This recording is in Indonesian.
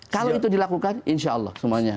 kalau itu dilakukan insya allah semuanya